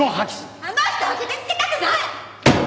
あの人を傷つけたくない！